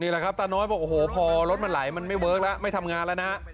แหละครับตาน้อยบอกโอ้โหพอรถมันไหลมันไม่เวิร์คแล้วไม่ทำงานแล้วนะ